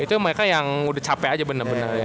itu mereka yang udah capek aja bener bener ya